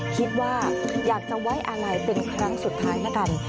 คิดว่าอยากจะไว้อาลัยเป็นครั้งสุดท้ายแล้วกัน